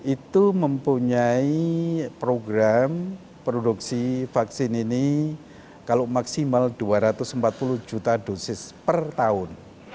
itu mempunyai program produksi vaksin ini kalau maksimal dua ratus empat puluh juta dosis per tahun